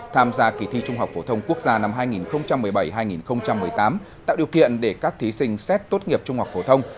tham gia kỳ thi trung học phổ thông quốc gia năm hai nghìn một mươi bảy hai nghìn một mươi tám tạo điều kiện để các thí sinh xét tốt nghiệp trung học phổ thông